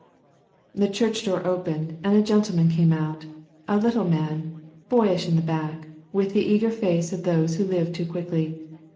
The church door opened and a gentleman came out, a little man, boyish in the back, with the eager face of those who live too quickly.